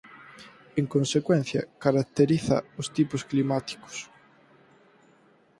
En consecuencia caracteriza os tipos climáticos.